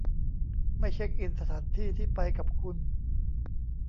ไม่เช็กอินสถานที่ที่ไปกับคุณ